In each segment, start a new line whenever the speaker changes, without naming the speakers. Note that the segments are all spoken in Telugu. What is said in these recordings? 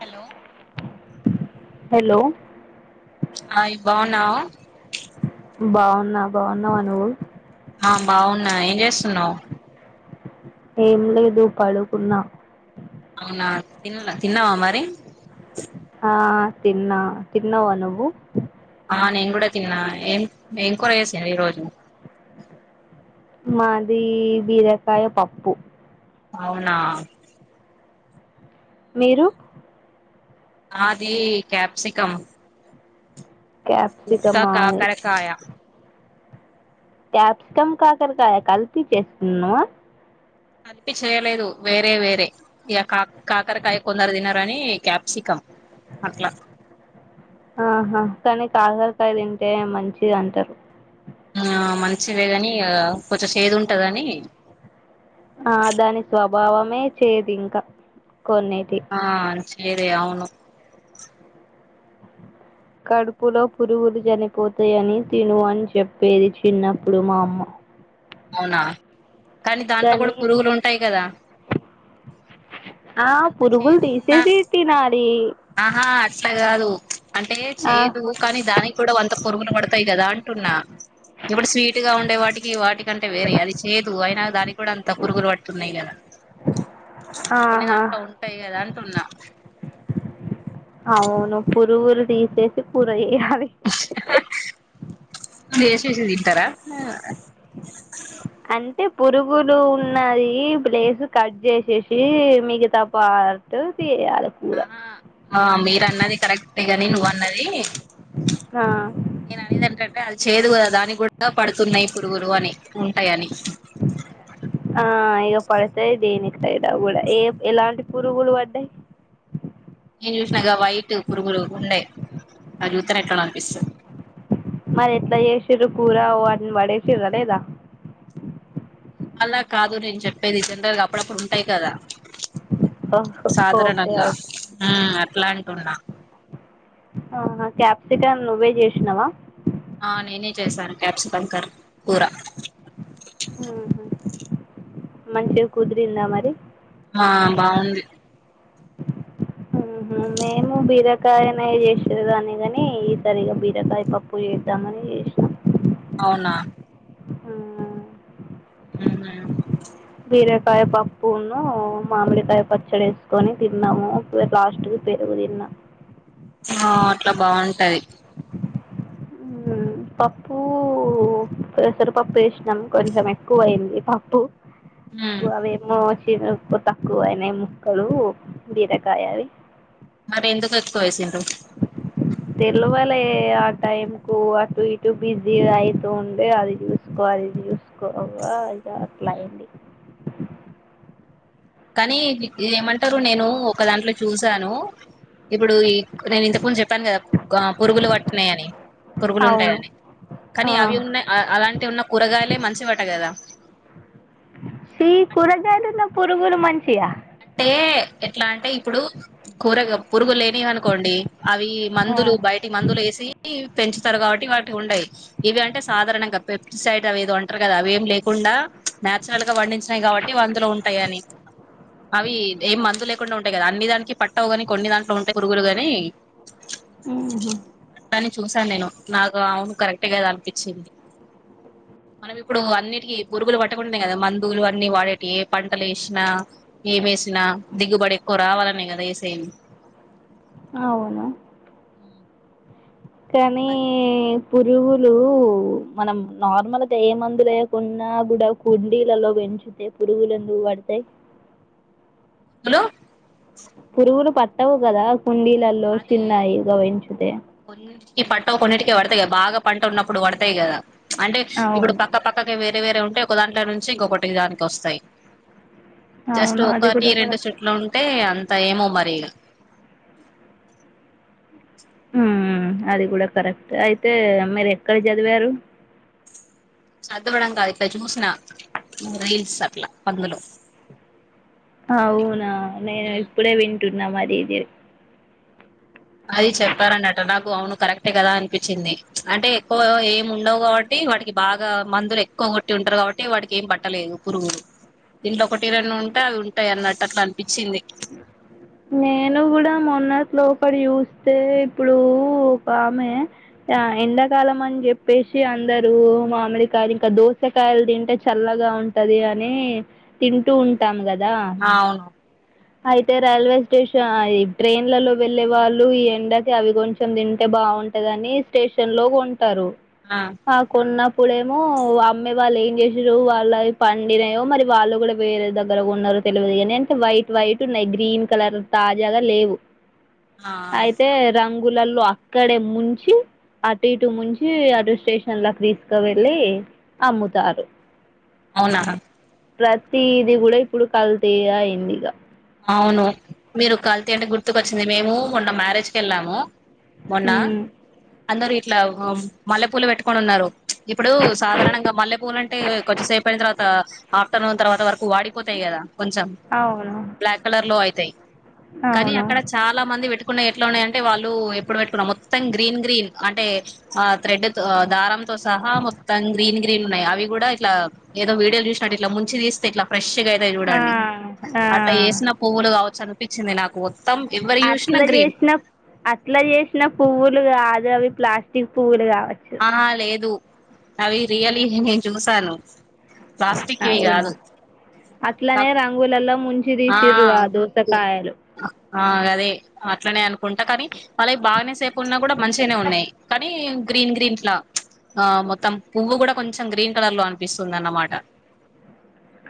హలో
హలో
హాయ్ బావున్నావ
బాగున్నా, బావున్నావా నువ్వు?
ఆ బాగున్నా, ఏం చేస్తున్నావ్?
ఏం లేదు పడుకున్నా
అవునా తిన్ల తిన్నవా మరి
ఆ తిన్నా, తిన్నావ నువ్వు?
ఆ నేను కూడ తిన్నా, ఏం కూర చేసింరు ఈ రోజు
మాది బీరకాయ పప్పు
అవునా
మీరు
మాదీ క్యాప్సికం ఇంకా
క్యాప్సికమా
కాకరకాయ
క్యాప్సికం, కాకరకాయ కలిపి చేస్తున్నవ?
కలిపి చేయలేదు. వేరే వేరే ఇగ కాకరకాయ కొందరు తినరనీ క్యాప్సికం అట్లా
ఆ హా కానీ కాకరకాయ తింటే మంచిది అంటారు.
ఆ మంచిదే గాని, కొంచెం చేదు ఉంటదనీ
ఆ దాని స్వభావమే చేదు ఇంక కొన్నీటి
ఆ చేదే అవును
కడుపులో పురుగులు చనిపోతాయని తిను అని చెప్పేది చిన్నప్పుడు మా అమ్మ
అవునా దాంట్లో కూడా
కానీ,
పురుగులు ఉంటాయి కదా
ఆ
అంత
పురుగులు
చేదు ఉన్నా
తీసేసి తినాలి
ఆహా అట్లా కాదు, అంటే
ఆ
చేయ్యదు కానీ దానికి కూడా వంత పురుగులు పడతాయి కదా దాంటున్నా ఎపుడు స్వీట్ గా ఉండే వాటికి, వాటికంటే వేరె యాది ఛేదు, అయినగాని కూడ అంత పురుగులు పట్టున్నాయ్ కదా. కొన్ని
ఆహా
దాంట్లో ఉంటయ్ కదా అంటున్నా
అవును పురుగులు తీసేసి కూర చె అది
[unintelligible]
అంటే పురుగులు ఉన్నది ప్లేస్ కట్ చేసేసి మిగతా పార్ట్ తీయాలి కూర
ఆహా ఆ మీరు అన్నది కరెక్టే గాని నువ్వ అన్నది
ఆ
నేను అనేది ఏంటంటే అది చేదు కద దానికి కూడా గా పడుతున్నాయి పురుగురు అని ఉంటాయని
పడతాయిదేని ద కూడా ఏ ఎలాంటి పురుగులు పడ్డాయి
నేను చూసినగా వైట్ పురుగులు ఉన్నాయి అవి చూస్తేనే ఎట్లనో అనిపిస్తుంది.
మరి ఎట్లా చేసిండ్రు కూర వాటిని పడేసిరా లేదా
ఇవాళ కాదు నేను చెప్పేది జనరల్ గా అప్పుడప్పుడు ఉంటాయి కదా
ఓహో ఓకే
సాధారణంగా
ఓకే
అట్లాంటున్నా
ఆ క్యాప్సికమ్ నువ్వే చేసినవా
ఆ నేనే చేశాను క్యాప్సికం కరీ కూర
ఉహు. మంచిగా కుదిరిందా మరి
ఆ బాగుంది
ఉహు మేము బీరకాయనే చేసేదాన్నే కాని ఈ సరిగా బీరకాయ పప్పు చేద్దామని చేసినా
అవునా
ఊ
ఉహు
బీరకాయ పప్పును మామిడికాయ పచ్చడి వేసుకొని తిన్నాము లాస్ట్కు పెరుగు తిన్నా
ఆ అట్లా బాగుంటది
పప్పు పెసరపప్పు ఏసినం కొంచెం ఎక్కువ అయింది పప్పు
మ్మ్
అవి మో చికు తక్కువ అయినా ముక్కలు బీరకాయవి
మరి ఎందుకుత్కో వేసిర్రు
తెలువలే ఆ టైం కు అటు ఇటు బిజీ అయితూ ఉండే అది చూసుకో అది చూసుకోగా ఇది అట్లా అయింది
కానీ ఏమంటారు నేను ఒక దాంట్లో చూసాను ఇప్పుడు ఈ నేను ఇంతకుందు చెప్పాను కదా పురుగులు నేను ఇంతకముందు చెప్పాను కదా పురుగులు పట్న్నాయియని పురుగులు
అవును
ఉంటాయని
ఆ
కానీ అవి ఉన్నాయి అలాంటి ఉన్న కూరగాయలే మంచివట కదా
సి కూరగాయలున్న పురుగులు మంచిగా
అంటే ఎట్లా అంటే ఇప్పుడు కూరగా పురుగు లేనివనుకోండి అవి
ఆ
మందులు బయటి మందులు యేసి పెంచుతారు కాబట్టి వాటికి ఉండయి ఇవి అంటే సాధారణంగా పెప్టిసైడ్ అవి ఏదో అంటారు కదా ఆవేం లేకుండా న్యాచురల్గా వండించినాయి కాబట్టి అందులో ఉంటాయి అని అవి ఏం మందు లేకుండా ఉంటాయి కదా అన్ని దానికి పట్టవు కానీ కొన్ని దాంట్లో ఉంటాయి పురుగురు గాని
ఉహు
అని చూసాను నేను నాకు అవును కరెక్టే కదా అనిపించింది మనం ఇప్పుడు అన్నిటికి పురుగులు పట్టకుండనె కదా మందువులు అన్ని వాడేటివి పంటలు ఏసినా ఏమేసినా దిగుబడి ఎక్కువ రావాలనే కదా ఏసేది
అవును కానీ
అది
పురుగులు మనం నార్మల్ గా ఏ మందు లేకున్నా కూడా కుండీలలో పెంచుతే పురుగులు ఎందుకు పడతాయి
హలో
పురుగులు పట్టవు కదా కుండీలలో
అదే
చిన్నాయిగ వంచుతే
ఈ పట్టవు కొన్నిటికే పడతాయి కదా బాగా పంట ఉన్నప్పుడు పడతాయి కదా అంటే ఇప్పుడు
అవును
పక్క పక్కకే వేరే వేర వేరే ఉంటే ఒకదాంట్ల నుంచి ఇంకొకటి దానికి వస్తాయి జస్ట్
అవును అది
ఒకటి
కూడా
రెండు
కరెక్ట్
చెట్లు ఉంటే అం సైమో ఏమో మరి
ఉమ్ అది కూడా కరెక్ట్ అయితే మీరు ఎక్కడ చదివారు
చదువడం కాదు ఇట్ల చూసిన రీల్స్ అట్ల పందులో
అవున నేను ఇప్పుడే వింట టున్న మరి ఇది
అది చెప్పారన్నట నాకు అవును కరెక్టే కదా అనిపించింది అంటే ఎక్కువ ఏమి ఉండవు కాబట్టి వాడికి బాగా మందులు ఎక్కువ కొట్టి ఉంటారు కాబట్టి వాడికి ఏం పట్టలేదు పురుగులు ఇంట్ల ఒకటి రన్న ఉంటే అవి ఉంటాయి అన్నట్టు అట్లా అనిపించింది
నేను కూడా మొన్నటి లోపటి చూస్తే ఇప్పుడు ఒక ఆమె ఎండాకాలం అని చెప్పేసి అందరూ మామిడికాయలు ఇంక దోసకాయలు తింటే చల్లగా ఉంటది అని తింటూ ఉంటాం కదా
ఆ ఆవును
అయితే రైల్వే స్టేషన్ ట్రైన్లలో వెళ్ళే వాళ్ళు ఈ ఎండకి అవి కొంచెం తింటే బాగుంటదని స్టేషన్ లో కొ టరు
ఆ
మాకున్న ఇప్పుడెమో అమ్మెవాళ్ళు ఏం చేసిరు వాళ్ళయి పండినయో మరి వాళ్ళు కూడ వేరె దగ్గర కొన్నరొ తెలవదు కని అంటే వైట్ వైట్ నెగ్ గ్రీన్ కలర్ తాజాగా లేవు
ఆ
అయితే రంగు గులల్లో అక్కడే ముంచి అటు ఇటు ముంచి అటు స్టేషన్లకి తీసుకు వెెళ్ళి అమ్ముతారు
అవునా
ప్రతిది కూడా ఇప్పుడు కల్తీ అయింది ఇక
అవును మీరు కల్తీ అంటే గుర్తుకొచ్చింది మేము మొన్న మ్యారేజ్కి వెళ్ళాము
ఉమ్
అందరు ఇట్లా మల్లెపూల పెట్టుకని ఉన్నారు ఇప్పుడు సాధారణంగా మల్లె పూలు అంటే కొంచెం సేపు అయిన తర్వాత త ఆఫ్టర్నూన్ తర్వాత వర వాడిపోతాయి కదా కొంచెం
అవును
బ్లాక్ కలర్ లో అయితాయి కానీ
అవును
అక్కడ చాలా మంది పెట్టుకున్నయి ఎట్లున్నాయంటే వాళ్ళు ఎప్పుడు పెట్టుకున్న మొత్తం గ్రీన్ గ్రీన్ అంటే ఆ త్రెడ్ దారంతో సహా మొత్తం గ్రీన్ గ్రీన్ ఉన్నాయి అవి కూడా ఇట్లా ఏదో వీడియోలు చూసినట్టు ఇట్లా ముంచి తీస్తే ఇట్లా ఫ్రెష్
ఆ ఆ
ఇలా వేసిన పువులు కావచ్చును పిచ్చి నలాకు
అట్లా చేసినం అట్లా చే చ్చిన పువ్వులుగాదు అవి ప్లాస్టిక్ పువ్వులుగా
ఆహా లేదు అవి రియలీ నేను చూసాను ప్లాస్టిక్వి
అవునా
కాదు
అట్లానే రంగులలో ముంచి తీసిర్రు ఆ దోసకాయలు
ఆ అదే అట్లానే అనుకుంటా కానీ వాళ్ళకి బాగానే సే ఉన్నా కూడా మంచిగానే ఉన్నాయి కానీ గ్రీన్ గ్రీన్లా ఆ మొత్తం పువ్వు కూడా కొంచెం గ్రీన్ కలర్ లో అనిపిస్తుంది అన్నమాట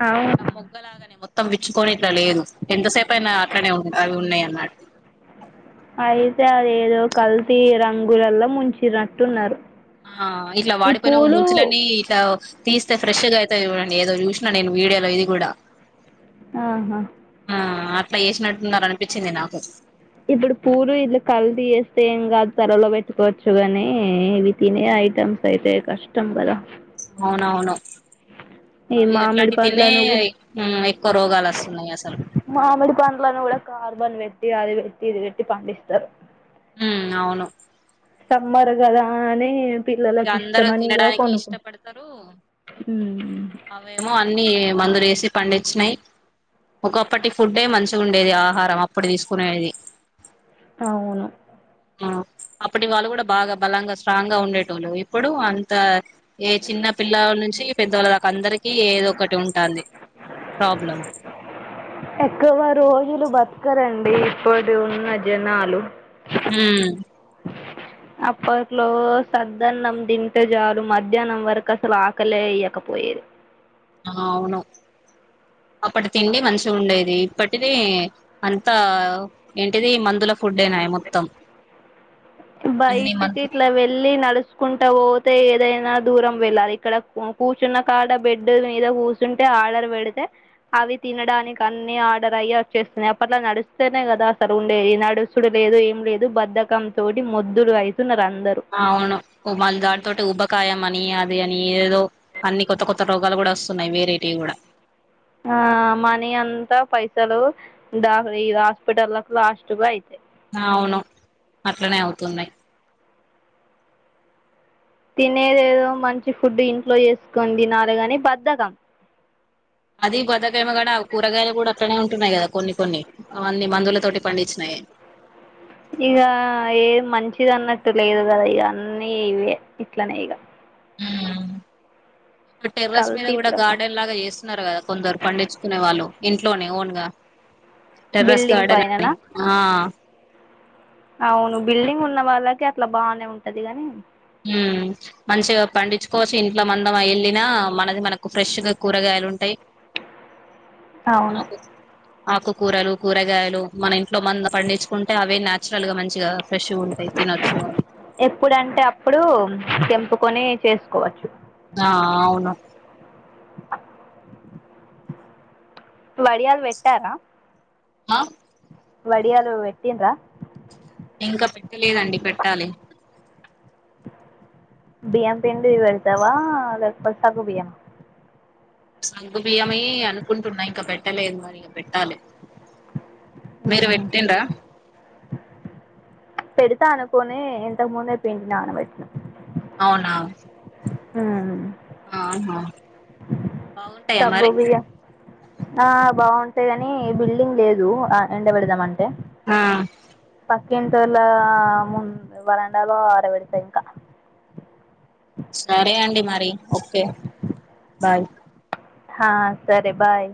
అవునా
మొగ్గ లాగనే మొ తం విచ్చుకొని ట్ల లేదు ఎంతసేపు అయినా అట్లానే అవి ఉన్నయ [inaudible]
అయితే అదేదో కల్తీ రంగులలో ముంచినట్టున్నారు
ఆ ఇట్లా
ఈ
వాడిపోయిన
పూలు
ముంచులన్నీ ఇట్లా తీస్తే ఫ్రేష్ అయితాయ్ చూడ ఏదో చూసినా నేను వీడియోలో ఇది కూడా
ఆహా
ఆ అట్లా వేసినట్టున్నారు అనిపిచ్చింది నాకు
ఇప్పుడు పూలు ఇట్లా కల్తీ చేేస్తే ఏం కాదు త్వరలో పెట్టుకోవచ్చు కానీ ఇవి తినే ఐటమ్స్ అయితే కష్టం కదా
అవునవును
ఏ
అవి
మామిడి
అట్లాంటి తినే
పండ్లను
హ్మ్. ఎక్కువ రోగాలు వస్తున్నాయి అసలు
మామిడి పండ్లను కూడా కార్బన్ అది పెట్టి ఇది పెట్టి పండిస్తారు
మ్ అవును
సమ్మర్ గదా అని
ఇక
పిల్లలకు
అందరు
ఇష్టమని ఇగ
తినడానికి
కొనుకు
ఇష్టపడతారు
ఉమ్
అవేమో అన్ని మందు వేసి పండించినయి ఒకప్పటి ఫుడ్డే మంచిగుండేది ఆహారం అప్పుడు తీసుకునేటిది
అవును
అప్పటి వాళ్ళు కూడా బాగా బలంగా స్ట్రాంగ్ గా ఉండేటోళ్లు ఇప్పుడు అంత ఏ చిన్న పిల్లవు నుంచి పెద్దోళ్ళ దాక అందరికి ఏదో ఒకటి ఉంటాంది ప్రాబ్లం
ఎక్కువ రోజులు బతకరండి ఇప్పుడు ఉన్న జనాలు
మ్
అప్పట్లో సద్దన్నం తింటే చాలు మధ్యాహ్నం వరకు అసలు ఆకలే అయ్యకపోయేది
అవును అప్పటి తిండి మంచిగుండేది ఇప్పటిది అంతా ఏంటిది మందుల ఫుడ్ ఏనాయె మొత్తం అన్ని
బైటికి
మందు
ఇట్ల వెళ్ళి నడుస్ చూసుకుంటా పోతే ఏదైనా దూరం వెళ్ళాలి ఇక్కడ కు కూర్చున్న కాడ బెడ్ మీద కూసుంటే ఆర్డర్ పెడితే అవి తినడానికి అన్ని ఆర్డర్ అయి వచ్చేస్తున్నాయి అప్పట్లా నడుస్తేనే కదా అసలు ఉండేది నడుసుడు లేదు ఏం లేదు బద్దకం తోటి మొద్దులు ఐతున్నార్ అన్
ఆ అవును మల్ల దనితోటి ఊబకాయం అని అద్ అది అని ఏదో అన్ని కొత్త కొత్త రోగాలు కూడా వస్తున్నాయి వేరైటీవి కూడా
ఆ మనీ అంతా పైసలు ద ఈ హాస్పిటల్లకు లాస్ట్కు అయితే
అవును అట్లనే అవుతున్నై
తినేదేదో మంచి ఫుడ్ ఇంట్లో చేసుకొని తినాలి గానీ బద్ధకం
అది బాదక్ ేమ గడ కూరగాయలు కూడా అట్లనే ఉంటున్నాయి కదా కొన్ని కొన్ని ఆవన్ని మందుల తోటి పండించినాయే
ఇగా ఏది మంచిది అన్నట్టు లేదు కదా ఇగా అన్ని ఇవే ఇట్లనే ఇగ
హ్మ్ టెర్రస్ మీద
కల్తీ
కూడా
ప్రప
గార్డెన్ లాగా చేస్తున్నారు కదా కొందరు పండించుకునే వాళ్ళు ఇంట్లోనే ఓన్గా టెర్రస్
బిల్డింగ్
గార్డన్ అని
పైననా
ఆ
అవును బిల్డింగ్ ఉన్న వాళ్ళకి అట్ల బానె ఉంటది గాని
మ్మ్ మంచిగా పండించుకోవచ్చు ఇంట్లో మందం వెళ్ళిన మనది మనకు ఫ్రెష్ గా కూరగాయలు ఉంటాయి
అవును
ఆకు ఆకుకూరలు కూరగాయలు మన ఇంట్లో మన పండించుకుంటే అవే నేచురల్ గా మంచిగా ఫ్రెష్ గా ఉంటాయి తినొచ్చు అవి
ఎప్పుడంటే అప్పుడు తెంపుకొని చేసుకోవచ్చు
ఆ అవును
వడియాల్ వెట్టారా
ఆ
వడియాలు వెట్టిన్రా
ఇంకా పెట్టలేదండి పెట్టాలి
బియ్యం పిండివి వెళ్తావా లేగపో సగు బియ్యం
సంగుబియంమే అనుకుంటున్నా ఇంక పెట్టలేదు మరి ఇక పెట్టాలి మీరు వేట్టిండ
పెడుతా అనుకొనే ఎంతకు ముందే పెండి నానాబెట్టిన్న
అవునా
హ్మ్
ఆ హా బాగుంటాయా
సగ్గు
మరి
బియ్యం ఆ బాగుంటాయి కని బిల్డింగ్ లేదు ఆ ఎండబడదాం అంటే
ఆా
పక్క ఇంటోల్ల ము వరండలో అరవడితా ఇంకా
సరే అండి మరి ఒకే బాయ్
హ సరే బాయ్